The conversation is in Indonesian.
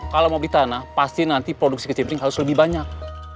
kalau mau beli tanah pasti nanti produksi ke cimring harus lebih banyak